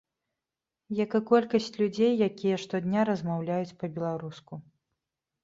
Як і колькасць людзей, якія штодня размаўляюць па-беларуску.